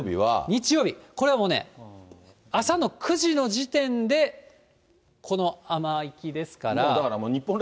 日曜日、これはもうね、朝の９時の時点でこの雨域ですから。